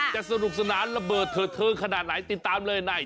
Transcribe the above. สนุกสนานระเบิดเถิดเทิงขนาดไหนติดตามเลยใน